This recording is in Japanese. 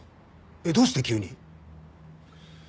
えっどうして急に？